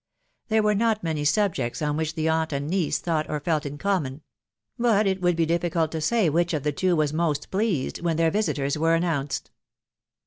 There were not many subjects on which the aunt and niece thought or felt in common ; but it would be difficult to say which of the two was most pleased when their visiters were announced.